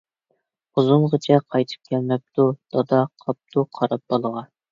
ئۇزۇنغىچە قايتىپ كەلمەپتۇ، دادا قاپتۇ قاراپ بالىغا.